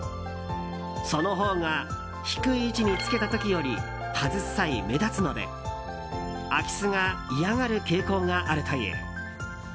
そのほうが低い位置につけた時より外す際に目立つので空き巣が嫌がる傾向があるという。